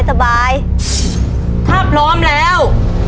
ถ้าพร้อมแล้ว